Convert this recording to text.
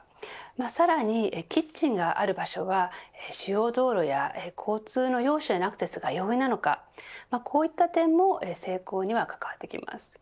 さらに、キッチンがある場所は主要道路や交通の要所へのアクセスが容易なのかこういった点も成功にはかかわってきます。